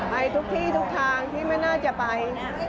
ไปทุกที่ทุกทางที่ไม่น่าจะไป